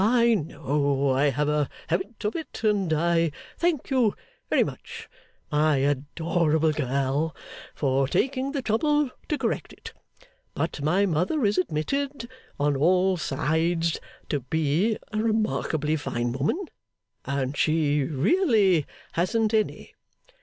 'I know I have a habit of it, and I thank you very much, my adorable girl, for taking the trouble to correct it; but my mother is admitted on all sides to be a remarkably fine woman, and she really hasn't any.